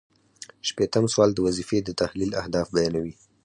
شپیتم سوال د وظیفې د تحلیل اهداف بیانوي.